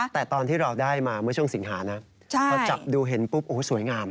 แต่ตอนที่เราได้มาเมื่อช่วงสิงหานะพอจับดูเห็นปุ๊บโอ้โหสวยงาม